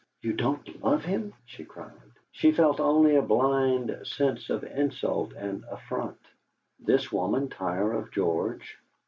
"You don't love him?" she cried. She felt only a blind sense of insult and affront. This woman tire of George?